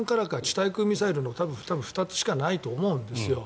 対空ミサイルの２つしかないと思うんですよ。